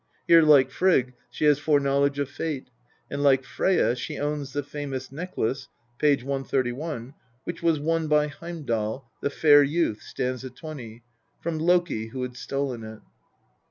Here, like Frigg, she has fore knowledge of fate, and like Freyja she owns the famous necklace (p. 131), which was won by Heimdal, " the fair youth " (st. 20), from Loki, who had stolen it.